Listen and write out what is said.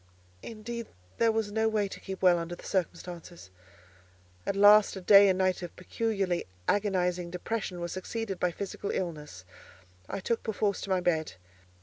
Indeed there was no way to keep well under the circumstances. At last a day and night of peculiarly agonizing depression were succeeded by physical illness, I took perforce to my bed.